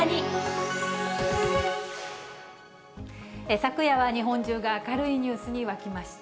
昨夜は日本中が明るいニュースに沸きました。